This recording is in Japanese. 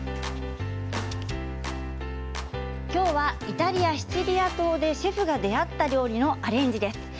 今日はイタリアシチリア島でシェフが出会った料理のアレンジです。